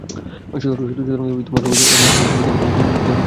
সুতরাং তোমাকে অবশ্যই এমন কিবলার দিকে ফিরিয়ে দিচ্ছি, যা তুমি পছন্দ কর।